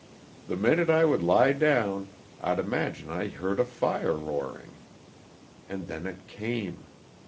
The minute I would lie down I'd imagine I heard a fire roaring. And then it came.